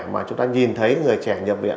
người trẻ mà chúng ta nhìn thấy người trẻ nhập viện